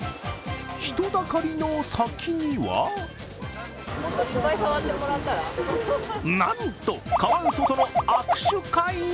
人だかりの先にはなんと、カワウソとの握手会。